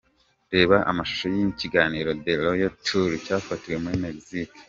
Reba amashusho y’ikiganiro ’The Royal Tour’ cyafatiwe muri Mexique